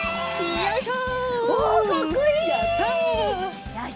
よいしょ！